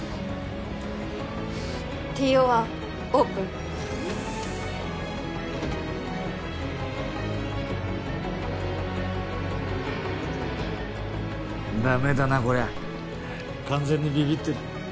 ＴＯ１オープンダメだなこりゃ完全にビビってる